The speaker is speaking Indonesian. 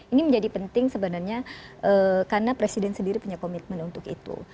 ini menjadi penting sebenarnya karena presiden sendiri punya komitmen untuk itu